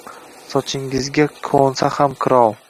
Sochingizga qunsa ham qirov